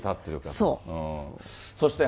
そう。